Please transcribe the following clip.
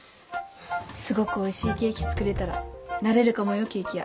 すごくおいしいケーキ作れたらなれるかもよケーキ屋。